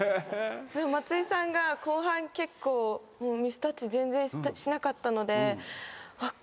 松井さんが後半結構ミスタッチ全然しなかったのであっ